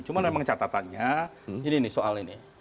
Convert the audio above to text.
cuma memang catatannya ini nih soal ini